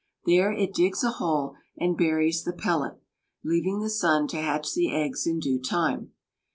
There it digs a hole and buries the pellet, leaving the sun to hatch the eggs in due time.